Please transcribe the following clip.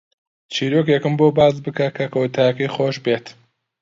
چیرۆکێکم بۆ باس بکە کە کۆتایییەکەی خۆش بێت.